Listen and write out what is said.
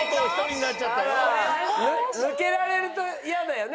抜けられると嫌だよね。